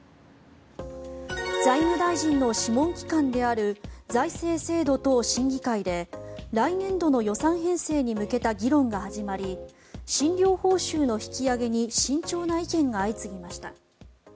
財務大臣の諮問機関である財政制度等審議会で来年度の予算編成に向けた議論が始まり診療報酬の引き上げに慎重な意見が相次ぎました。